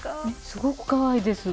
すごくかわいいです。